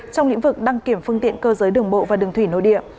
trong lĩnh vực đăng kiểm phương tiện cơ giới đường bộ và đường thủy nội địa